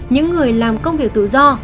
những người làm công việc tự do